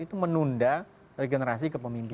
itu menunda regenerasi kepemimpinan